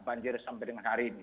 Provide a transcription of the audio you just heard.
banjir sampai dengan hari ini